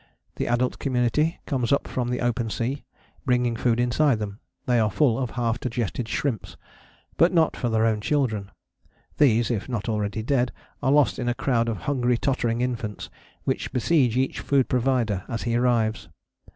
The adult community comes up from the open sea, bringing food inside them: they are full of half digested shrimps. But not for their own children: these, if not already dead, are lost in a crowd of hungry tottering infants which besiege each food provider as he arrives.